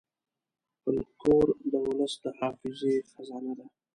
فلکور د ولس د حافظې خزانه ده.